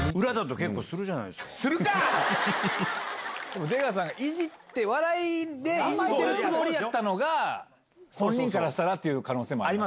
でも出川さんが笑いでいじってるつもりやったのが本人からしたらっていう可能性も。